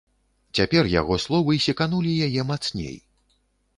Цяпер яго словы секанулі яе мацней.